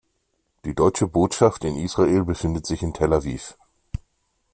Die Deutsche Botschaft in Israel befindet sich in Tel Aviv.